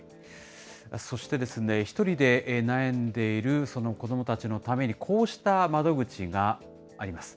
そして、一人で悩んでいるその子どもたちのために、こうした窓口があります。